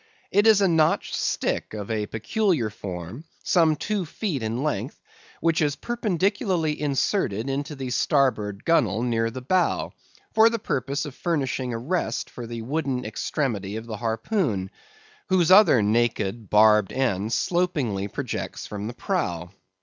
It is a notched stick of a peculiar form, some two feet in length, which is perpendicularly inserted into the starboard gunwale near the bow, for the purpose of furnishing a rest for the wooden extremity of the harpoon, whose other naked, barbed end slopingly projects from the prow.